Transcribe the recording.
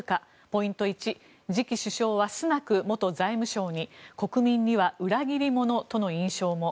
ポイント１次期首相はスナク元財務相に国民には裏切り者との印象も。